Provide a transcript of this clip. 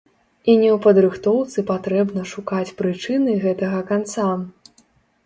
І не ў падрыхтоўцы патрэбна шукаць прычыны гэтага канца.